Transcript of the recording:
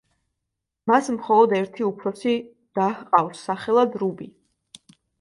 მას მხოლოდ ერთი უფროსი და ჰყავს, სახელად რუბი.